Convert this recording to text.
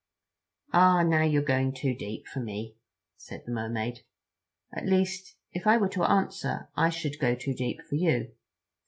"Ah, now you're going too deep for me," said the Mermaid, "at least if I were to answer I should go too deep for you.